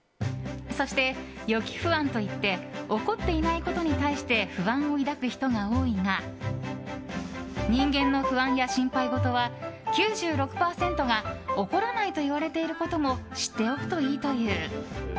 そして、予期不安といって起こっていないことに対して不安を抱く人が多いが人間の不安や心配事は、９６％が起こらないといわれていることも知っておくといいという。